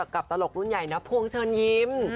กับตลกรุ่นใหญ่น้าภวงเชิญยิ้ม